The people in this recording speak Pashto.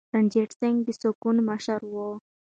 رنجیت سنګ د سکانو مشر و.